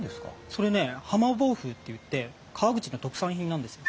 それね「ハマボウフウ」っていって川口の特産品なんですよ。